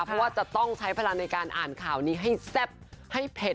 เพราะว่าจะต้องใช้เวลาในการอ่านข่าวนี้ให้แซ่บให้เผ็ด